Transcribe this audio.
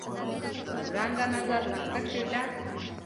بدرنګه نظر له کرکې ډک وي